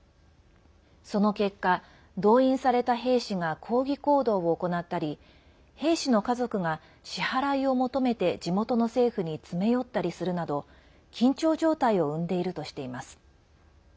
その結果、動員された兵士が抗議行動を行ったり兵士の家族が支払いを求めて地元の政府に詰め寄ったりするなど緊張状態を生んでいるとしています。